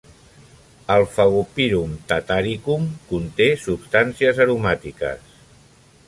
El "Fagopyrum tataricum" conté substàncies aromàtiques.